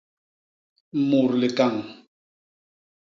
Mut likañ.